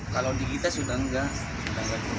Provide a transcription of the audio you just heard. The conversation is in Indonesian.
kalau digital sudah enggak